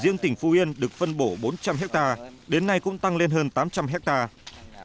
riêng tỉnh phú yên được phân bổ bốn trăm linh hectare đến nay cũng tăng lên hơn tám trăm linh hectare